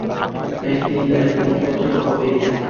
একদিন না একদিন পতন হবেই।